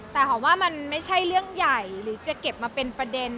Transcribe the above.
แต่หอมว่ามันไม่ใช่เรื่องใหญ่หรือจะเก็บมาเป็นประเด็น